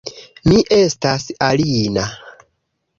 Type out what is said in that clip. Mi estas Alina